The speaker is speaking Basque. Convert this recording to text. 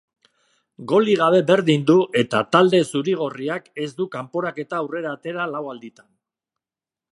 Golik gabe berdindu eta talde zuri-gorriak ez du kanporaketa aurrera atera lau alditan.